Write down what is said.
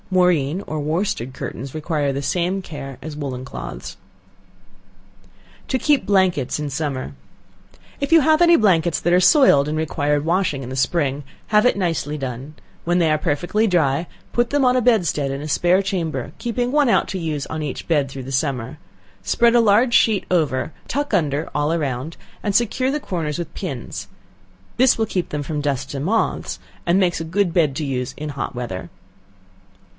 Moreen or worsted curtains require the same care as woollen cloths. To Keep Blankets in Summer. If you have any blankets that are soiled and require washing in the spring, have it nicely done; when they are perfectly dry, put them on a bedstead in a spare chamber, keeping out one to use on each bed through the summer; spread a large sheet over; tuck under all round, and secure the corners with pins; tins will keep them from dust and moths, and makes a good bed to use in hot weather.